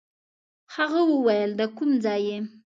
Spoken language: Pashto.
هغه ویل د کوم ځای یې.